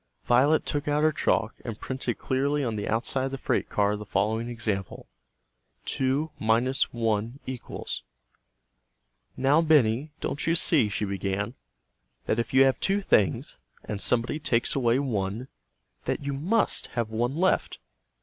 Violet took out her chalk and printed clearly on the outside of the freight car the following example: 2 1 = "Now, Benny, don't you see," she began, "that if you have two things, and somebody takes away one, that you must have one left?"